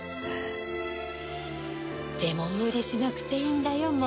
でも無理しなくていいんだよ